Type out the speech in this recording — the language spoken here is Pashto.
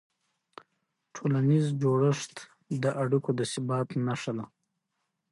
ټولنیز جوړښت د اړیکو د ثبات نښه ده.